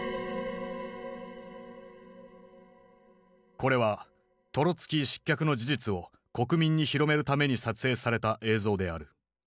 これはトロツキー失脚の事実を国民に広めるために撮影された映像である。